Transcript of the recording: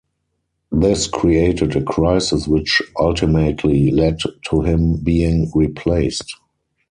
This created a crisis which ultimately led to him being replaced.